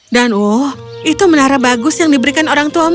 dan oh itu menara bagus yang diberikan orang